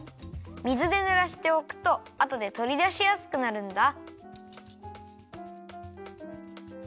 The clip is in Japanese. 水でぬらしておくとあとでとりだしやすくなるんだ。